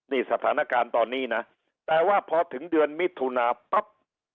นี่สถานการณ์ตอนนี้นะแต่ว่าพอถึงเดือนมิถุนาปั๊บ